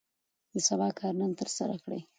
د سبا کار نن ترسره کړئ.